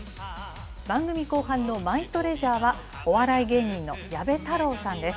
番組後半のマイトレジャーは、お笑い芸人の矢部太郎さんです。